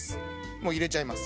もう入れちゃいます